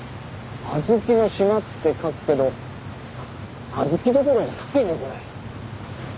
小豆の島って書くけど小豆どころじゃないねこれ。